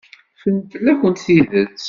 Ffren fell-akent tidet.